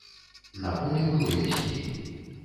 На полі было ясней.